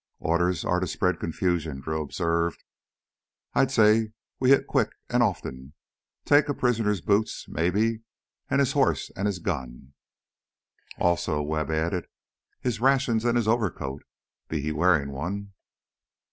"Orders are to spread confusion," Drew observed. "I'd say if we hit quick and often, take a prisoner's boots, maybe, and his horse, and his gun " "Also," Webb added, "his rations an' his overcoat, be he wearin' one."